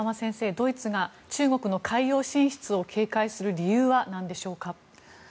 ドイツが中国の海洋進出を警戒する理由はなんでしょうか。